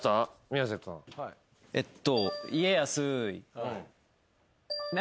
えっと。